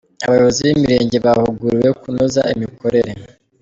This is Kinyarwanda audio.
Abayobozi b’imirenge bahuguriwe kunoza imikorere